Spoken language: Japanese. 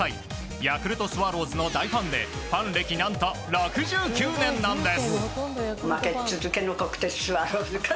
ヤクルトスワローズの大ファンでファン歴、何と６９年なんです。